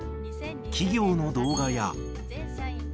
企業の動画や。